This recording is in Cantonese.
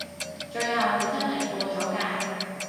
最後佢真係過咗界